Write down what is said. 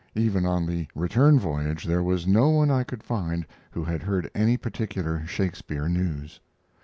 Even on the return voyage there was no one I could find who had heard any particular Shakespeare news.